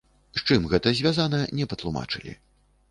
З чым гэта звязана не патлумачылі.